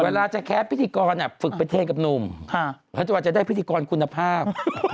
เวลาจะแคปพิธีกรฝึกประเทศกับหนุ่มปัจจุบันจะได้พิธีกรคุณภาพ